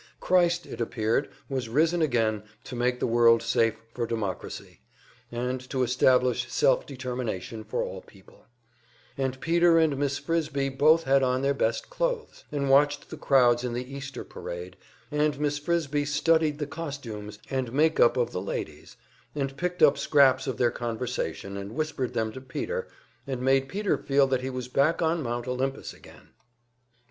Christ, it appeared, was risen again to make the world safe for democracy, and to establish self determination for all people; and Peter and Miss Frisbie both had on their best clothes, and watched the crowds in the "Easter parade," and Miss Frisbie studied the costumes and make up of the ladies, and picked up scraps of their conversation and whispered them to Peter, and made Peter feel that he was back on Mount Olympus again.